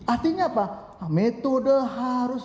artinya apa metode harus